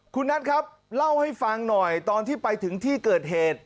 คุณนัทครับเล่าให้ฟังหน่อยตอนที่ไปถึงที่เกิดเหตุ